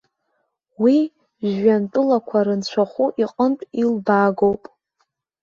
Уи, жәҩантәылақәа рынцәахәы иҟынтә илбаагоуп.